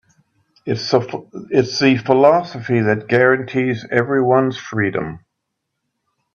It's the philosophy that guarantees everyone's freedom.